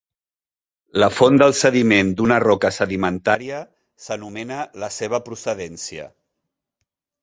La font del sediment d'una roca sedimentària s'anomena la seva procedència.